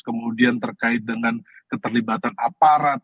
kemudian terkait dengan keterlibatan aparat